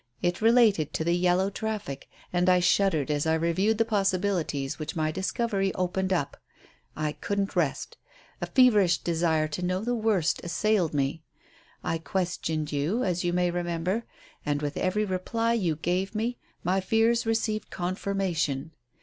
It related to the yellow traffic. And I shuddered as I reviewed the possibilities which my discovery opened up. I couldn't rest. A feverish desire to know the worst assailed me. I questioned you as you may remember, and, with every reply you gave me, my fears received confirmation.